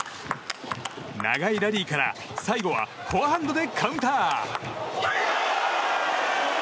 長いラリーから、最後はフォアハンドでカウンター！